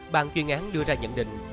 bàn chuyên án đưa ra nhận định